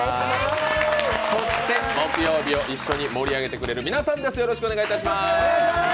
そして木曜日を一緒に盛り上げてくれる皆さんです。